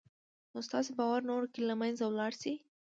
نو ستاسې باور نورو کې له منځه وړلای شي